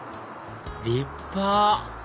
立派！